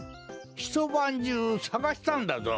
ひとばんじゅうさがしたんだぞ。